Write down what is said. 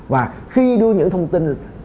và khi đưa những thông tin